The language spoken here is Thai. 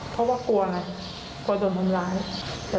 เป็นรถไหมรถยนต์แม่